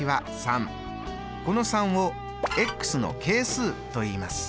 この３をの係数といいます。